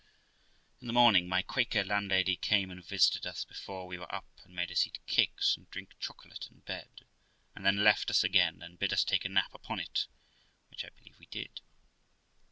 In the morning, my Quaker landlady came and visited us before we were up, and made us eat cakes and drink chocolate in bed; and then left us again, and bid us take a nap upon it, which I believe we did.